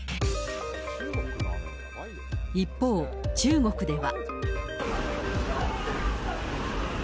一方、中国では。